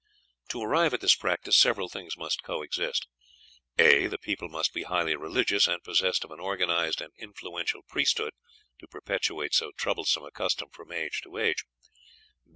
To arrive at this practice several things must coexist: a. The people must be highly religious, and possessed of an organized and influential priesthood, to perpetuate so troublesome a custom from age to age.